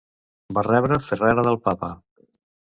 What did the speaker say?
Va rebre Ferrara del papa.